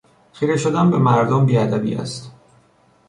خیرهشدن به مردم بی ادبی است.